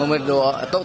memberi tugas orang tua